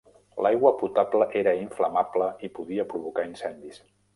L'aigua potable era inflamable i podia provocar incendis.